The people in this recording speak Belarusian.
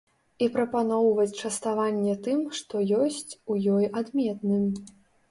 І прапаноўваць частаванне тым, што ёсць у ёй адметным.